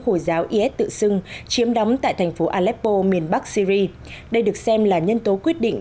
hồi giáo is tự xưng chiếm đóng tại thành phố aleppo miền bắc syri đây được xem là nhân tố quyết định